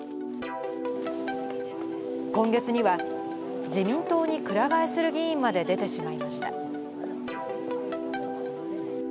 今月には、自民党にくら替えする議員まで出てしまいました。